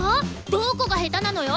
どこが下手なのよ！？